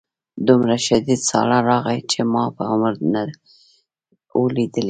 دومره شدید ساړه راغی چې ما په عمر نه و لیدلی